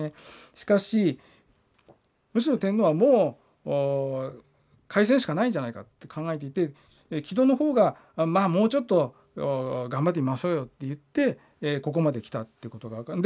しかしむしろ天皇はもう開戦しかないんじゃないかって考えていて木戸の方がまあもうちょっと頑張ってみましょうよって言ってここまできたっていうことが分かる。